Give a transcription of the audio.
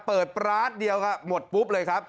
เปิดปราสเดียวค่ะหมดปุ๊บเลยครับ